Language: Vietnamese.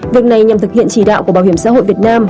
việc này nhằm thực hiện chỉ đạo của bảo hiểm xã hội việt nam